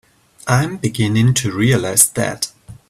I'm beginning to realize that.